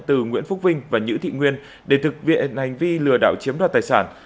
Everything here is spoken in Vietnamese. từ nguyễn phúc vinh và nhữ thị nguyên để thực hiện hành vi lừa đảo chiếm đoạt tài sản